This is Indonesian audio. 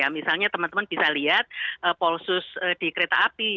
misalnya teman teman bisa lihat polsus di kereta api